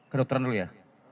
kedokteran dulu ya